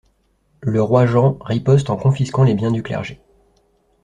Le roi Jean riposte en confisquant les biens du clergé.